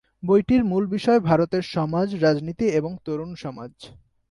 বইটির মূলবিষয় ভারতের সমাজ, রাজনীতি এবং তরুণ সমাজ।